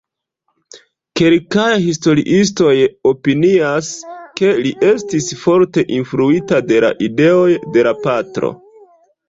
Kelkaj historiistoj opinias, ke li estis forte influita de la ideoj de la patro.